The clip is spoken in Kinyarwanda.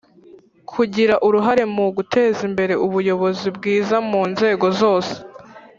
kugira uruhare mu guteza imbere ubuyobozi bwiza mu nzego zose,